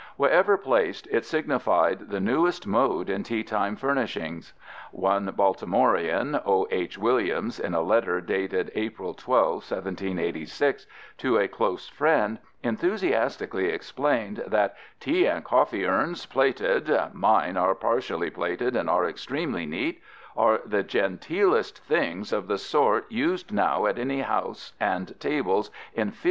9). Wherever placed, it signified the newest mode in teatime furnishings. One Baltimorean, O. H. Williams, in a letter dated April 12, 1786, to a close friend, enthusiastically explained that "Tea & Coffee Urns plated (mine are but partially plated and are extremely neat) are the genteelest things of the sort used now at any House & tables inferior to the first fortunes."